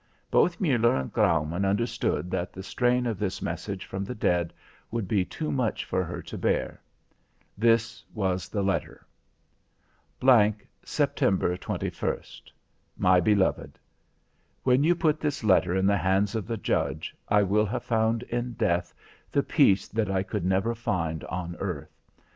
Both Muller and Graumann understood that the strain of this message from the dead would be too much for her to bear. This was the letter: G September 21st. My beloved: When you put this letter in the hands of the Judge, I will have found in death the peace that I could never find on earth.